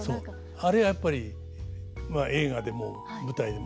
あれはやっぱり映画でも舞台でも一緒ですよね。